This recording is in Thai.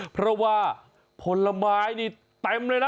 เพราะว่าผลไม้นี่เต็มเลยนะ